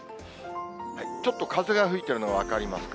ちょっと風が吹いてるの、分かりますか？